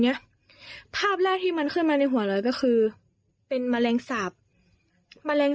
เนี้ยภาพแรกที่มันเข้ามาในหัวเลยก็คือเป็นแมลงสาปแมลง